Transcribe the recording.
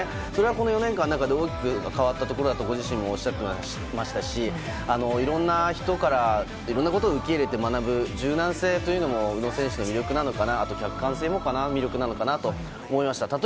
それが、この４年間の中で大きく変わったところだとご自身もおっしゃっていましたしいろんな人からいろんなことを受け入れて学ぶ柔軟性も宇野選手の魅力なのかなと思いました。